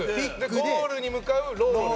ゴールに向かうロール。